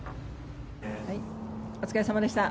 お疲れ様でした。